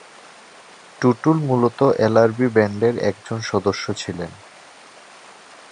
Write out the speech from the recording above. টুটুল মূলত L R B band এর একজন সদস্য ছিলেন।